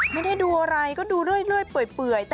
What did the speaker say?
ไม่ได้ดูอะไรก็ดูเรื่อยเปื่อย